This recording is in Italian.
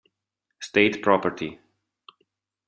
State Property